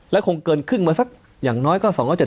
และคงเกินครึ่งมาสักอย่างน้อยก็๒๗๐